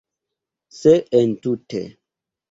Se entute.